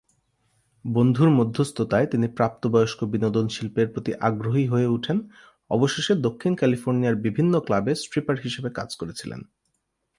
বন্ধুর মধ্যস্থতায় তিনি প্রাপ্তবয়স্ক বিনোদন শিল্পের প্রতি আগ্রহী হয়ে উঠেন, অবশেষে দক্ষিণ ক্যালিফোর্নিয়ার বিভিন্ন ক্লাবে স্ট্রিপার হিসাবে কাজ করেছিলেন।